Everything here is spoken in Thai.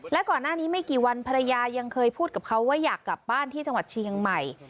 และก่อนหน้านี้ไม่กี่วันภรรยายังเคยพูดกับเขาว่าอยากกลับบ้านที่จังหวัดเชียงใหม่